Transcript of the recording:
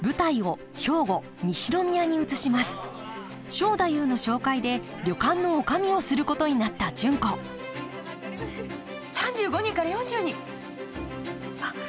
正太夫の紹介で旅館の女将をすることになった純子３５人から４０人あっ高校野球の？